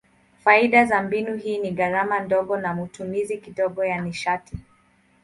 Faida za mbinu hii ni gharama ndogo na matumizi kidogo ya nishati.